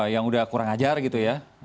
yang udah kurang ajar gitu ya